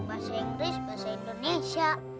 bahasa inggris bahasa indonesia